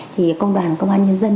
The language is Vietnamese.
thì công đoàn công an nhân dân